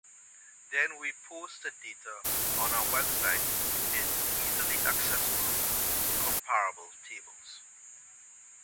Then we post the data on our website in easily accessible, comparable tables.